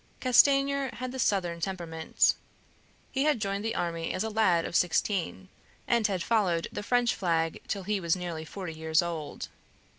Castanier had the southern temperament; he had joined the army as a lad of sixteen, and had followed the French flag till he was nearly forty years old.